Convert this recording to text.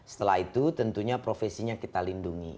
setelah itu tentunya profesinya kita lindungi